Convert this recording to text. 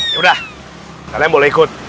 yaudah kalian boleh ikut